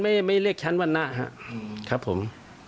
ก็มันไม่เลขชั้นวันนะฮะครับผม